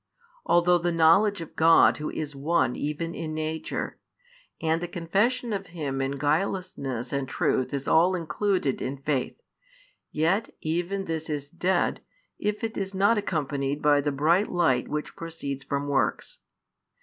Although the knowledge of God Who is One even in nature, and the confession of Him in guilelessness and truth is all included in faith, yet even this is dead, if it is not accompanied by the bright light which proceeds from works.